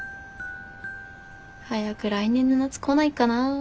早く来年の夏来ないかな。